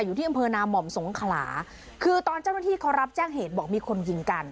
อยู่ที่อำเภอนาม่อมสงขลาคือตอนเจ้าหน้าที่เขารับแจ้งเหตุบอกมีคนยิงกัน